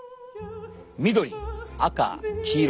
緑赤黄色。